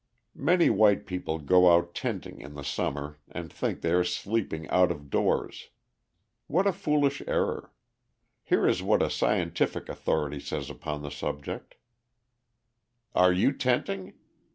Many white people go out tenting in the summer and think they are sleeping out of doors. What a foolish error. Here is what a scientific authority says upon the subject: "Are you tenting?